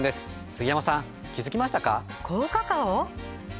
杉山さん気づきましたか？